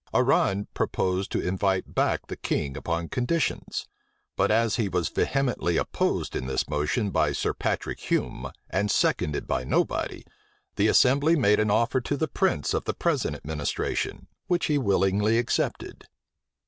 Arran proposed to invite back the king upon conditions; but as he was vehemently opposed in this motion by Sir Patrick Hume, and seconded by nobody, the assembly made an offer to the prince of the present administration, which he willingly accepted.